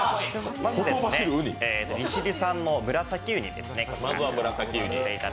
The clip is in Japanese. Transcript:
まず利尻産のムラサキうにですね。